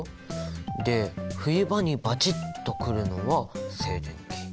で冬場にバチッとくるのは静電気。